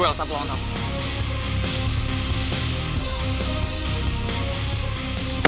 duel satu lawan satu